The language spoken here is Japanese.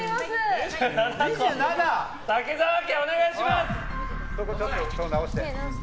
武澤家、お願いします！